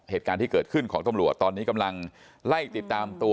เหตุการณ์ที่เกิดขึ้นของตำรวจตอนนี้กำลังไล่ติดตามตัว